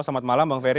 selamat malam bang ferry